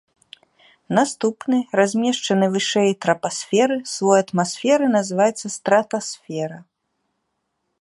Наступны, размешчаны вышэй трапасферы, слой атмасферы называецца стратасфера.